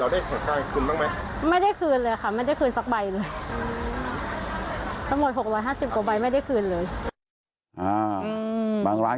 เราได้ขอค่าคืนบ้างไหม